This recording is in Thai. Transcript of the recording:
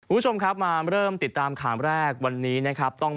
คุณผู้ชมครับมาเริ่มติดตามข่าวแรกวันนี้นะครับ